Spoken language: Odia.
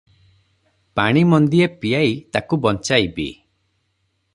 ପାଣି ମନ୍ଦିଏ ପିଆଇ ତାକୁ ବଞ୍ଚାଇବି ।